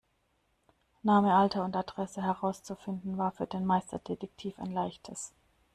Name, Alter und Adresse herauszufinden, war für den Meisterdetektiv ein Leichtes.